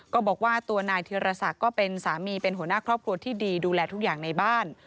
ก็บอกว่าตัวนายธิรศักดิ์ก็เป็นสามีเป็นหัวหน้าครอบครัวที่ดีดูแลทุกอย่างในบ้าน